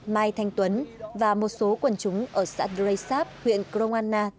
mai thanh tuấn và một số quần chúng ở xã drei sáp huyện crong anna